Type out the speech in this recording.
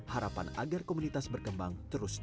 harapan agar komunitas berkembang